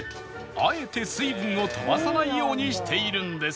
あえて水分を飛ばさないようにしているんです